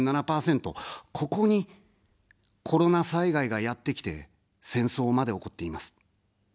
ここに、コロナ災害がやってきて、戦争まで起こっています。